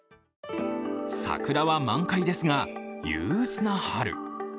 桜は満開ですが、憂鬱な春。